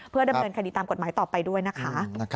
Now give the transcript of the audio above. ดำเนินคดีตามกฎหมายต่อไปด้วยนะคะ